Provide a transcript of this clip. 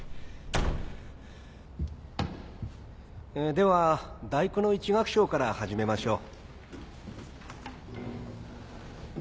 では『第９』の１楽章から始めましょう。